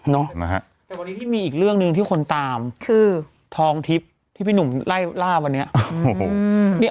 แต่วันนี้ที่มีอีกเรื่องหนึ่งที่คนตามคือทองทิพย์ที่พี่หนุ่มไล่ล่าวันนี้